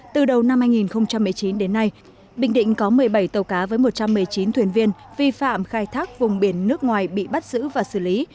từ đầu năm hai nghìn một mươi chín đến nay bình định có một mươi bảy tàu cá với một trăm một mươi chín thuyền viên vi phạm khai thác vùng biển nước ngoài bị bắt giữ và xử lý